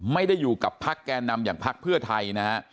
ไม่ได้อยู่กับพักแก่นำอย่างพักเพื่อไทยนะฮะ